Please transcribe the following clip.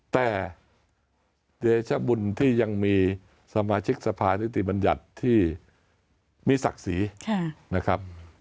แต่เดชบุญที่ยังมีสมาชิกสภานิติบัญญัติที่มีศักดิ์ศรีนะครับ